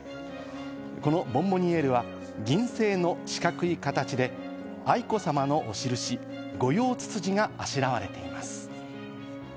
このボンボニエールは銀製の四角い形で愛子さまのお印、ゴヨウツツジがあしらわれています。